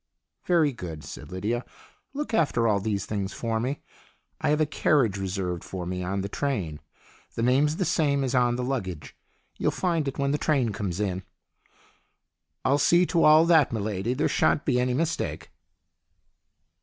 " Very good," said Lydia. " Look after all these things for me. I have a carriage reserved for me on the train. The name's the same as on the luggage. You'll find it when the train comes in." "I'll see to all that, m'lady. There shan't be any mistake."